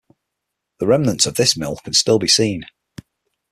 The remnants of this mill can still be seen.